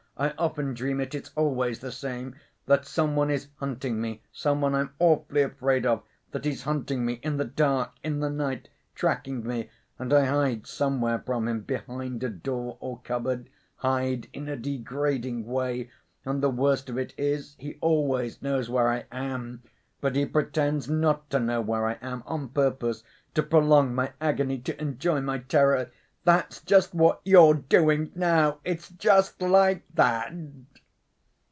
I often dream it—it's always the same ... that some one is hunting me, some one I'm awfully afraid of ... that he's hunting me in the dark, in the night ... tracking me, and I hide somewhere from him, behind a door or cupboard, hide in a degrading way, and the worst of it is, he always knows where I am, but he pretends not to know where I am on purpose, to prolong my agony, to enjoy my terror.... That's just what you're doing now. It's just like that!"